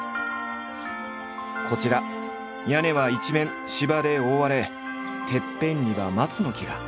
こちら屋根は一面芝で覆われてっぺんには松の木が。